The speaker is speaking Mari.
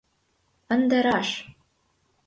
— Ынде раш!